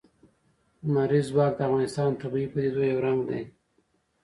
لمریز ځواک د افغانستان د طبیعي پدیدو یو رنګ دی.